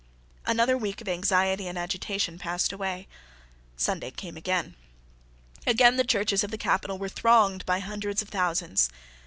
Another week of anxiety and agitation passed away. Sunday came again. Again the churches of the capital were thronged by hundreds of thousands.